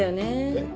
えっ？